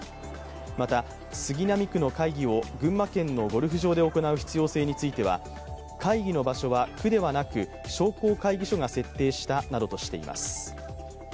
また、杉並区の会議を群馬県のゴルフ場で行う必要性については会議の場所は区ではなく商工会議所が設定したなどとしています。